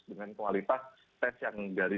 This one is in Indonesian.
dengan kualitas tes yang dari